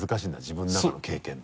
自分の中の経験と。